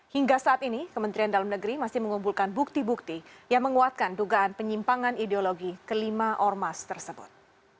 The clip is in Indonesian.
hingga saat ini kementerian dalam negeri masih mengumpulkan bukti bukti yang menguatkan dugaan penyimpangan ideologi kelima ormas tersebut